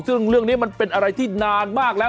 ซึ่งเรื่องนี้มันเป็นอะไรที่นานมากแล้ว